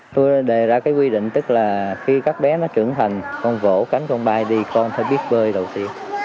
tôi đề ra cái quy định tức là khi các bé nó trưởng thành con vỗ cánh con bay đi con phải biết bơi đầu tiên